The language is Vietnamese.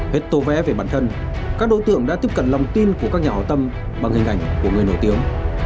hết tố vẽ về bản thân các đối tượng đã tiếp cận lòng tin của các nhà hào tâm bằng hình ảnh của người nổi tiếng